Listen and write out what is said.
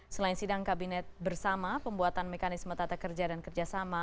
selain sidang kabinet bersama pembuatan mekanisme tata kerja dan kerjasama